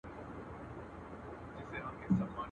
که دي نه وي زده ټول عمر دي تباه دی.